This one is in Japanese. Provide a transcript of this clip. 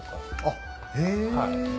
あっへぇ。